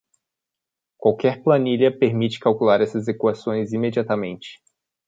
Qualquer planilha permite calcular essas equações imediatamente.